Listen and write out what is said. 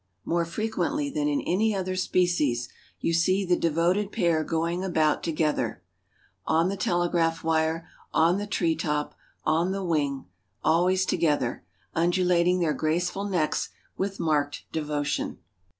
More frequently than in any other species you see the devoted pair going about together, on the telegraph wire, on the tree top, on the wing, always together, undulating their graceful necks with marked devotion.